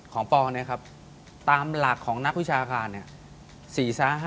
ปอเนี่ยครับตามหลักของนักวิชาการเนี่ย